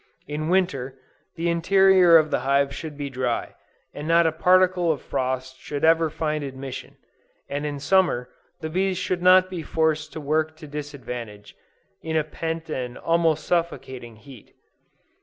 In winter, the interior of the hive should be dry, and not a particle of frost should ever find admission; and in summer, the bees should not be forced to work to disadvantage in a pent and almost suffocating heat.